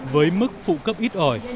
với mức phụ cấp ít ỏi